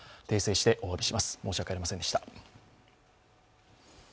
訂正してお詫びします申し訳ありませんでした。